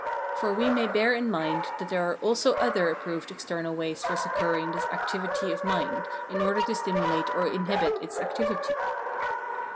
For we may bear in mind that there are Phrenology 317 also other approved external ways for succouring tlie activity of mind in order to stimulate or inhibit its activity.